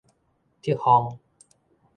敕封